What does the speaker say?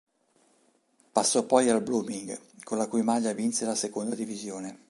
Passò poi al Blooming, con la cui maglia vinse la seconda divisione.